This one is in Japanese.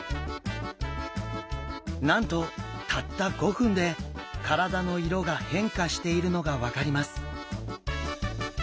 なんとたった５分で体の色が変化しているのが分かります。